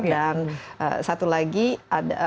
dan satu lagi ada